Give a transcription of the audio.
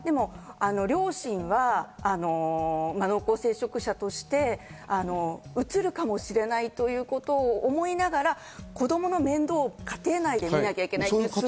両親は濃厚接触者としてうつるかもしれないということを思いながら、子供の面倒を家庭内で見なくちゃいけない。